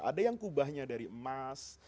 ada yang kubahnya dari emas